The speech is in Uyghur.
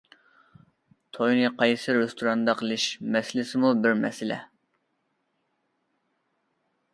توينى قايسى رېستوراندا قىلىش مەسىلىسىمۇ بىر مەسىلە.